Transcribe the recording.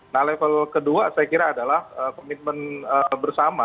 nah level kedua saya kira adalah komitmen bersama